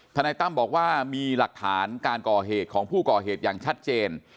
นายตั้มบอกว่ามีหลักฐานการก่อเหตุของผู้ก่อเหตุอย่างชัดเจน